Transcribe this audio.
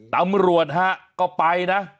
ตำรวจฮะก็ไปนะ